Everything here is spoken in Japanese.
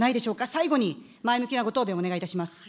最後に、前向きなご答弁をお願いいたします。